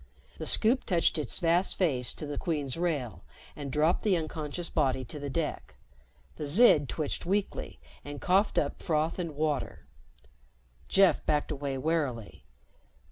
The Scoop touched its vast face to the Queen's rail and dropped the unconscious body to the deck. The Zid twitched weakly and coughed up froth and water. Jeff backed away warily.